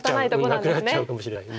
なくなっちゃうかもしれない。